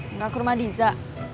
enggak ke rumah diza